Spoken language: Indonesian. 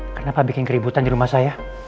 kenapa bikin keributan di rumah saya